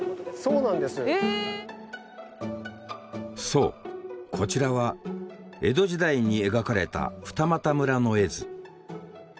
そうこちらは江戸時代に描かれた二俣村の絵図。